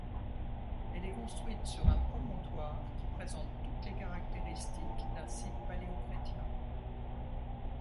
Elle est construite sur un promontoire, qui présente toutes les caractéristiques d'un site paléochrétien.